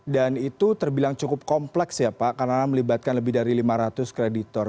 dan itu terbilang cukup kompleks ya pak karena melibatkan lebih dari lima ratus kreditor